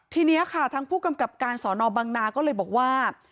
ทีนี้ค่ะทางผู้กำกับการสอนอบังนาก็เลยบอกว่า